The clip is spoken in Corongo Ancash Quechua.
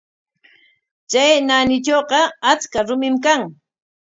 Chay naanitrawqa achka rumim kan.